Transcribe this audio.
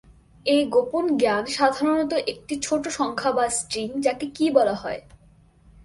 এই গোপন জ্ঞান সাধারণত একটি ছোট সংখ্যা বা স্ট্রিং যাকে "কি" বলা হয়।